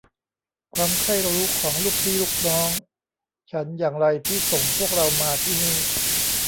ความใคร่รู้ของลูกพี่ลูกน้องฉันอย่างไรที่ส่งพวกเรามาที่นี่